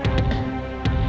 kalian jadi ramah